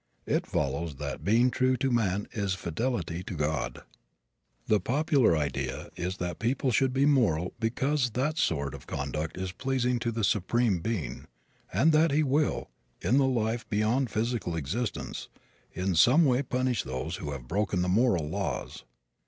It follows that being true to man is fidelity to God. The popular idea is that people should be moral because that sort of conduct is pleasing to the Supreme Being and that He will, in the life beyond physical existence, in some way punish those who have broken the moral laws.